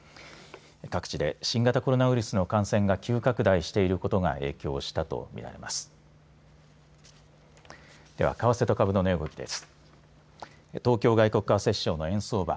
各地で新型コロナウイルスの感染が急拡大していることが影響したと見られます。